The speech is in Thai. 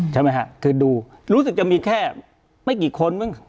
ใช่ไหมฮะคือดูรู้สึกจะมีแค่ไม่กี่คนมั้ง